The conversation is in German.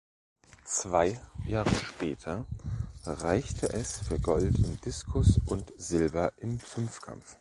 Zwei Jahre später reichte es für Gold im Diskus und Silber im Fünfkampf.